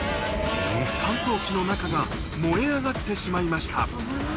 乾燥機の中が燃え上がってしまいました。